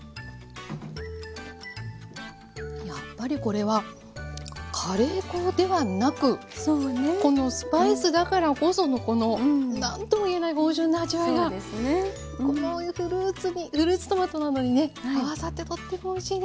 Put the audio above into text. やっぱりこれはカレー粉ではなくこのスパイスだからこそのこの何とも言えない芳醇な味わいがこういうフルーツトマトなどにね合わさってとってもおいしいです。